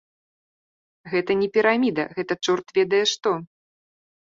Гэта не піраміда, гэта чорт ведае што.